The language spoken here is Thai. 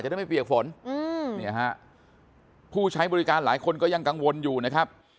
ได้ไม่เปียกฝนอืมเนี่ยฮะผู้ใช้บริการหลายคนก็ยังกังวลอยู่นะครับ